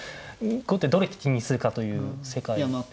後手どれ利きにするかという世界ですよね。